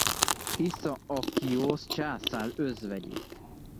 Iszaakiosz császár özvegyét.